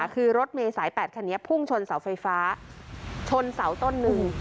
คือรถเมย์สาย๘คันนี้พุ่งชนเสาไฟฟ้าชนเสาต้นหนึ่ง